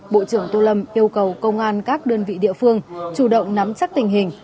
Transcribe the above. bộ trưởng tô lâm yêu cầu công an các đơn vị địa phương chủ động nắm chắc tình hình